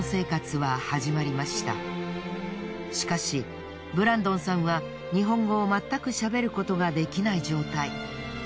しかしブランドンさんは日本語をまったくしゃべることができない状態。